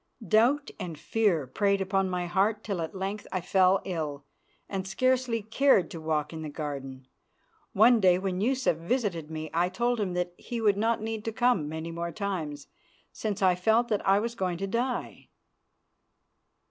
Doubt and fear preyed upon my heart till at length I fell ill and scarcely cared to walk in the garden. One day when Yusuf visited me I told him that he would not need to come many more times, since I felt that I was going to die.